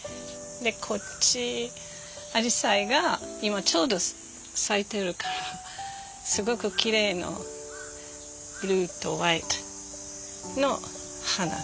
こっちアジサイが今ちょうど咲いてるからすごくきれいのブルーとホワイトの花。